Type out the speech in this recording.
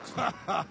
ハハハ！